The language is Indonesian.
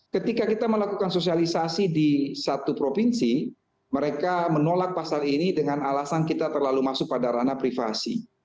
ketika kita melakukan sosialisasi di satu provinsi mereka menolak pasal ini dengan alasan kita terlalu masuk pada ranah privasi